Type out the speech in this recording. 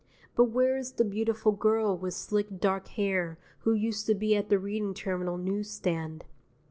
But where is the beautiful girl with slick dark hair who used to be at the Reading terminal news stand?